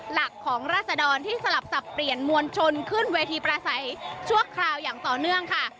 หลักของราศดรที่สลับสับเปลี่ยนมวลชนขึ้นเวทีประสัยชั่วคราวอย่างต่อเนื่องค่ะ